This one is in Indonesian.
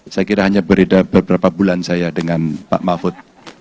saya kira hanya berbeda beberapa bulan saya dengan pak mahfud